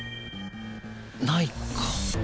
ないか。